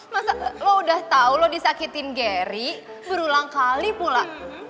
masa lo udah tau lo disakitin gary berulang kali pulang